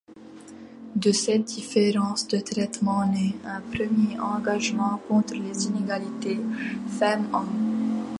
De cette différence de traitement naît un premier engagement contre les inégalités femmes-hommes.